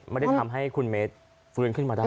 ไม่ได้ทำให้คุณเมตรฟื้นขึ้นมาได้